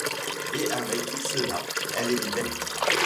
Et avec tout cela elle était belle.